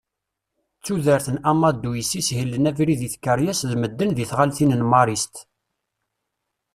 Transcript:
D tudert n Amadou yessishilen abrid i tkeṛyas d medden di tɣaltin n Maristes.